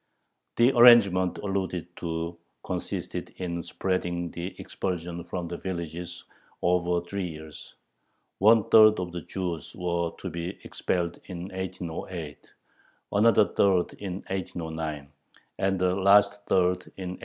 The "arrangement" alluded to consisted in spreading the expulsion from the villages over three years: one third of the Jews were to be expelled in 1808, another third in 1809, and the last third in 1810.